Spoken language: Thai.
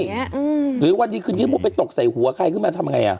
ไม่หรือว่าจริงกูตกใส่หัวใครไกลนี่กูมาทำอย่างไร